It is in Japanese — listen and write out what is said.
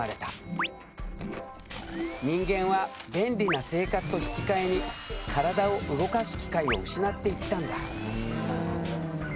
人間は便利な生活と引き換えに体を動かす機会を失っていったんだ。